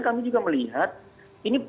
kami juga melihat ini